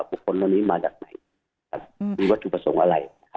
คนเหล่านี้มาจากไหนมีวัตถุประสงค์อะไร